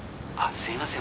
すいません。